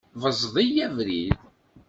Beẓẓed-iyi abrid!